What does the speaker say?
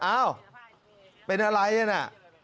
อ้าวเป็นอะไรน่ะ